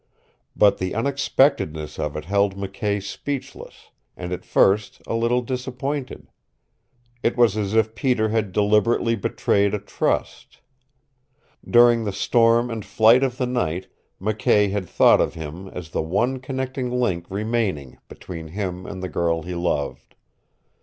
But the unexpectedness of it held McKay speechless, and at first a little disappointed. It was as if Peter had deliberately betrayed a trust. During the storm and flight of the night McKay had thought of him as the one connecting link remaining between him and the girl he loved.